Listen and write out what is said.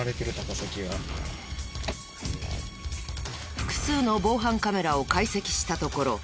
複数の防犯カメラを解析したところ